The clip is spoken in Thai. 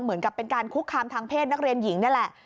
เหมือนกับเป็นการคุกคามทางเพศนักเรียนหญิงนี่แหละ